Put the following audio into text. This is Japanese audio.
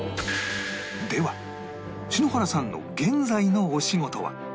では篠原さんの現在のお仕事は？